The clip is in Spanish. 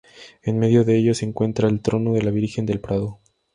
En medio de ellos se encuentra el trono de la Virgen del Prado.